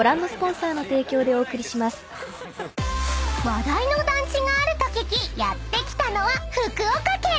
［話題の団地があると聞きやって来たのは］